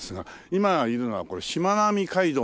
今いるのはこれしまなみ海道の一つですか？